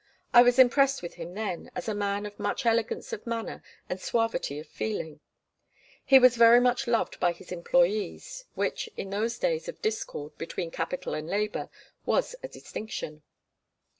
I was impressed with him then, as a man of much elegance of manner and suavity of feeling. He was very much beloved by his employees, which, in those days of discord between capital and labour, was a distinction.